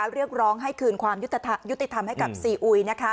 เรียกร้องให้คืนความยุติธรรมให้กับซีอุย